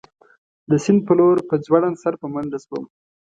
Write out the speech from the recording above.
د سیند په لور په ځوړند سر په منډه شوم.